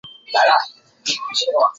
永历九年去世。